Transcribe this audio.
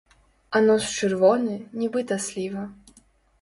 А нос чырвоны, нібыта сліва.